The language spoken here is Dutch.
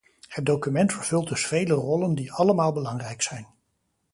Het document vervult dus vele rollen, die allemaal belangrijk zijn.